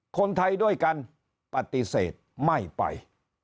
คนไทยด้วยกันปฏิเสธไม่ไป